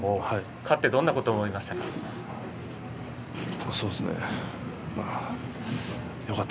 勝ってどんなことを思いましたか。